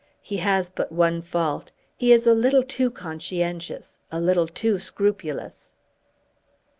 He has but one fault, he is a little too conscientious, a little too scrupulous."